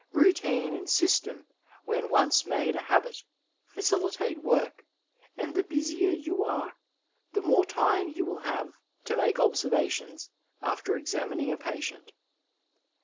Routine and system when once made a habit, faciUtate work, and the busier you are the more time you will have to make observations after examining a patient.